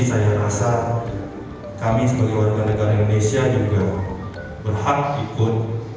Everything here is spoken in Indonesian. saya rasa kami sebagai warga negara indonesia juga berhak ikut